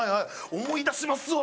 思い出しますわ。